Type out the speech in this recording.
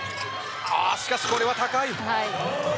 しかし、これは高い。